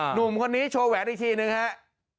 หนุ่มคนนี้โชว์แหวนอีกทีนึงครับ